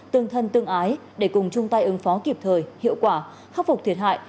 tương thân tương ái để cùng chung tay ứng phó kịp thời hiệu quả khắc phục thiệt hại